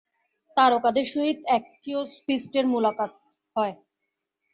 তারকদাদার সহিত এক থিওসফিষ্টের মূলাকাত হয়।